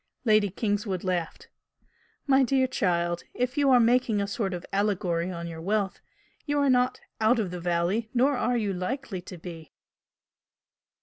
Lady Kingswood laughed. "My dear child, if you are making a sort of allegory on your wealth, you are not 'out of the valley' nor are you likely to be!"